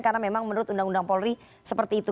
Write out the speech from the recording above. karena memang menurut undang undang polri seperti itu